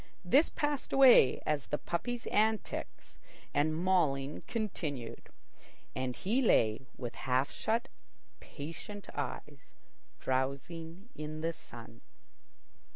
This passed away as the puppies' antics and mauling continued, and he lay with half shut patient eyes, drowsing in the sun.